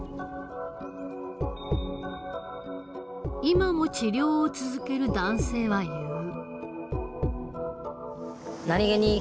今も治療を続ける男性は言う。